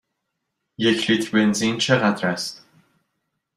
یک لیتر بنزین چقدر است؟